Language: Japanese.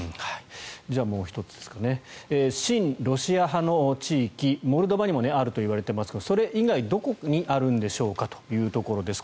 もう１つですが親ロシア派の地域モルドバにもあるといわれていますがそれ以外にはどこにあるんでしょうかというところです。